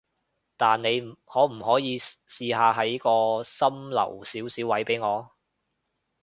但你可唔可以試下喺個心留少少位畀我？